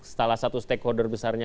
setara satu stakeholder besarnya